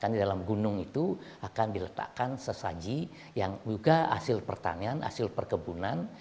di dalam gunung itu akan diletakkan sesaji yang juga hasil pertanian hasil perkebunan